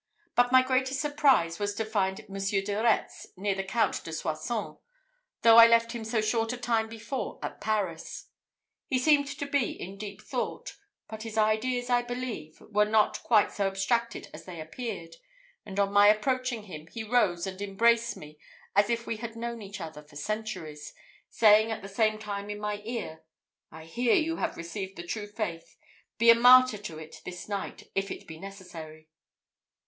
But my greatest surprise was to find Monsieur de Retz near the Count de Soissons, though I left him so short a time before at Paris. He seemed to be in deep thought; but his ideas, I believe, were not quite so abstracted as they appeared: and on my approaching him, he rose and embraced me as if we had known each other for centuries, saying at the same time in my ear, "I hear you have received the true faith. Be a martyr to it this night, if it be necessary."